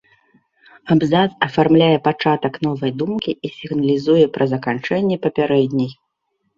Абзац афармляе пачатак новай думкі і сігналізуе пра заканчэнне папярэдняй.